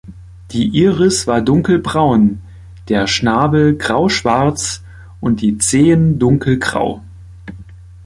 Die Iris war dunkelbraun, der Schnabel grauschwarz und die Zehen dunkelgrau.